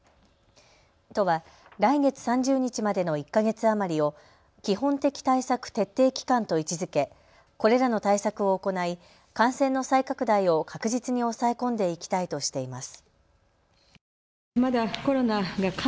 都は来月３０日までの１か月余りを基本的対策徹底期間と位置づけこれらの対策を行い感染の再拡大を確実に抑え込んでいきたいとしています。